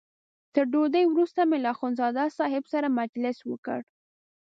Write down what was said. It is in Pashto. تر ډوډۍ وروسته مې له اخندزاده صاحب سره مجلس وکړ.